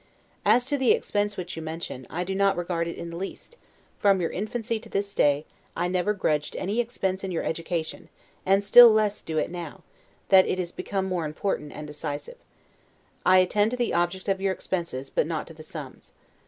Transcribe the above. As to the expense which you mention, I do not regard it in the least; from your infancy to this day, I never grudged any expense in your education, and still less do it now, that it is become more important and decisive: I attend to the objects of your expenses, but not to the sums.